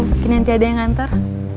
bikin nanti ada yang nganter